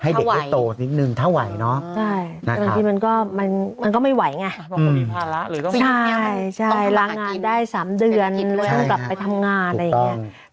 เด็กได้โตนิดนึงถ้าไหวเนาะบางทีมันก็มันก็ไม่ไหวไงไปล้างงานได้๓เดือนต้องกลับไปทำงานอะไรอย่างนี้